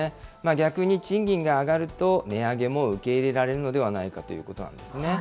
逆に賃金が上がると、値上げも受け入れられるのではないかということなんですね。